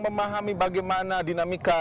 memahami bagaimana dinamika